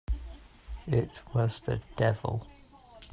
It was the devil!